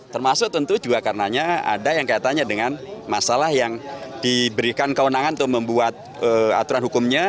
termasuk tentu juga karenanya ada yang kaitannya dengan masalah yang diberikan kewenangan untuk membuat aturan hukumnya